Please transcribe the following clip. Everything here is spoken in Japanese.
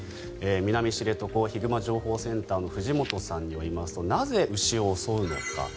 南知床・ヒグマ情報センターの藤本さんによりますとなぜ、牛を襲うのか。